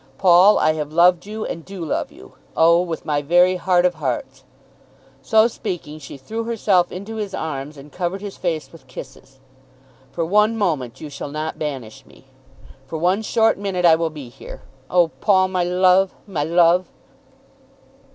Paul, I have loved you, and do love you, oh, with my very heart of hearts." So speaking she threw herself into his arms and covered his face with kisses. "For one moment you shall not banish me. For one short minute I will be here. Oh, Paul, my love; my love!"